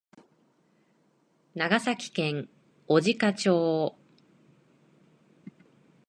長崎県小値賀町